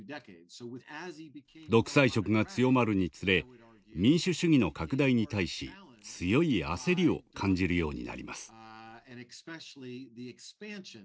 独裁色が強まるにつれ民主主義の拡大に対し強い焦りを感じるようになります。